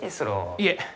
いえ。